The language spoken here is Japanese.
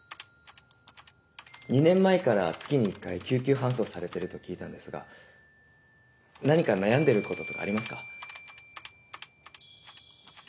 ２年前から月に１回救急搬送されてると聞いたんですが何か悩んでることとかありますか？